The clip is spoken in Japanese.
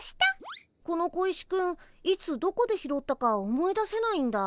この小石くんいつどこで拾ったか思い出せないんだ。